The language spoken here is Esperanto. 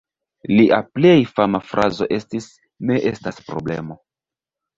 Lia plej fama frazo estis "Ne estas problemo".